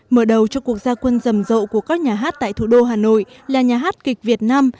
mở đầu cho cuộc gia quân rầm rộ của các nhà hát tại thủ đô hà nội là nhà hát kịch việt nam